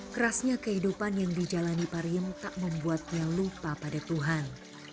kerasnya kehidupan yang dijalani pariem tak membuatnya lupa pada tuhan